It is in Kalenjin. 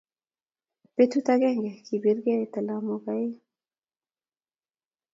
Butut agenge kibiregei talamwok aeng